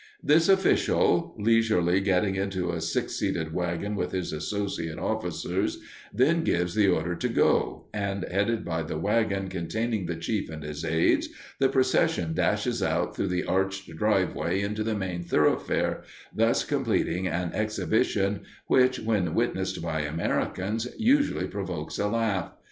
This official, leisurely getting into a six seated wagon with his associate officers, then gives the order to "go," and, headed by the wagon containing the chief and his aides, the procession dashes out through the arched driveway into the main thoroughfare, thus completing an exhibition which, when witnessed by Americans, usually provokes a laugh.